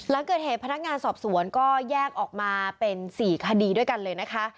หลังเกิดเหตุพนักงานสอบสวนก็แยกออกมาเป็น๔คดีด้วยกันเลยนะคะ